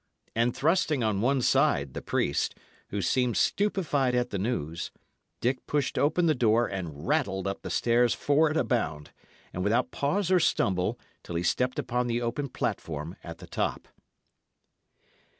And thrusting on one side the priest, who seemed stupefied at the news, Dick pushed open the door and rattled up the stairs four at a bound, and without pause or stumble, till he stepped upon the open platform at the top.